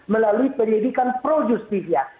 melalui penyedikan projustifia